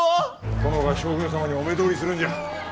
殿が将軍様にお目通りするんじゃ。